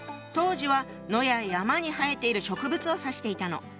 当時は野や山に生えている植物を指していたの。